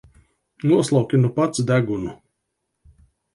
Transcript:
Noslauki nu pats degunu!